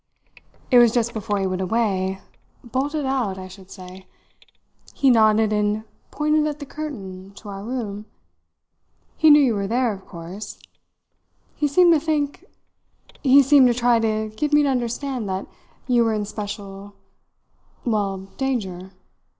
"It was just before he went away bolted out, I should say. He nodded and pointed at the curtain to our room. He knew you were there, of course. He seemed to think he seemed to try to give me to understand that you were in special well, danger.